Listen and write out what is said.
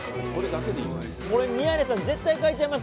これ、宮根さん、絶対買いちゃいます？